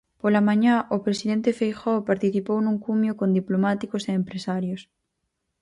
Pola mañá, o presidente Feijóo participou nun cumio con diplomáticos e empresarios.